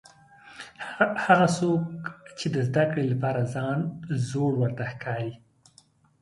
هغه څوک چې د زده کړې لپاره ځان زوړ ورته ښکاري.